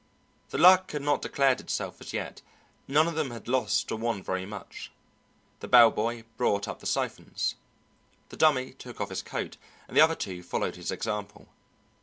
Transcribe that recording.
The luck had not declared itself as yet; none of them had lost or won very much. The bell boy brought up the siphons. The Dummy took off his coat, and the other two followed his example.